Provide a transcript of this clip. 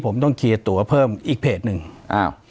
ปากกับภาคภูมิ